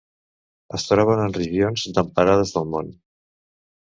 Es troben en regions temperades del món.